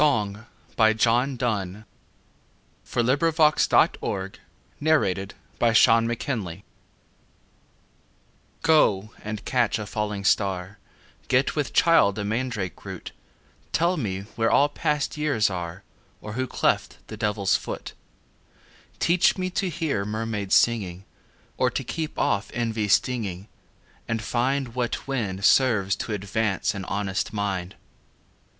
C D . E F . G H . I J . K L . M N . O P . Q R . S T . U V . W X . Y Z Song GO and catch a falling star, Get with child a mandrake root, Tell me where all past years are, Or who cleft the devils foot; Teach me to hear mermaids singing, Or to keep off envy's stinging, And find What wind Serves to advance an honest mind.